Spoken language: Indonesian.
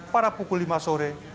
pada pukul lima sore